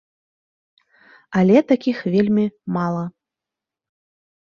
Але такіх вельмі мала.